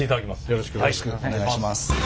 よろしくお願いします。